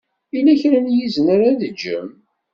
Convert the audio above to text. Yella kra n yizen ara d-teǧǧem?